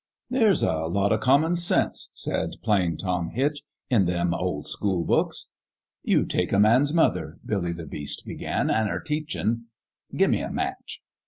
" There's a lot o' common sense," said Plain Tom Hitch, " in them old school books." " You take a man's mother," Billy the Beast began, "an' her teachin' "" Gimme a match."